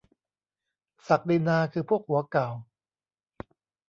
ศักดินาคือพวกหัวเก่า ?